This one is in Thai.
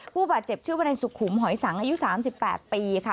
ผู้บาดเจ็บชื่อวนายสุขุมหอยสังอายุ๓๘ปีค่ะ